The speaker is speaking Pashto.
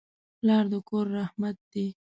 پلار د کور رحمت دی.